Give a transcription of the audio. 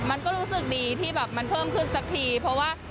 มันก็รู้สึกดีที่แบบมันเพิ่มขึ้นสักทีเพราะว่า